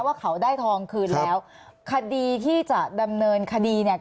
เราต้องเปิดอย่างนี้นะ